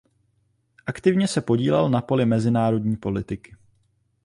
Aktivně se podílel na poli mezinárodní politiky.